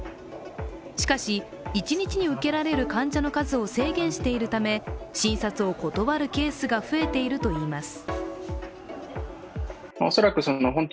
しかし、１日に受けられる患者の数を制限しているため診察を断るケースが増えているといいます。